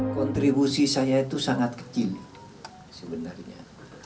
kontribusi saya itu sangat kecil sebenarnya